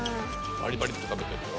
バリバリっと食べてるよ。